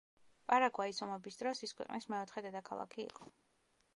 პარაგვაის ომების დროს, ის ქვეყნის მეოთხე დედაქალაქი იყო.